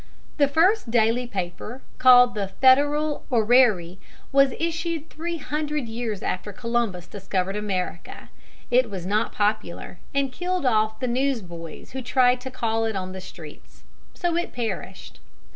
] The first daily paper, called The Federal Orrery, was issued three hundred years after Columbus discovered America. It was not popular, and killed off the news boys who tried to call it on the streets: so it perished.